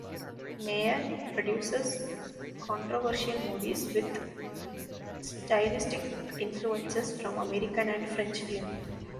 Mayer, produces controversial movies with stylistic influences from American and French film.